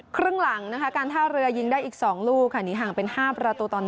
ครึ่งหลังนะคะการท่าเรือยิงได้อีก๒ลูกค่ะหนีห่างเป็น๕ประตูต่อ๑